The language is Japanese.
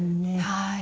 はい。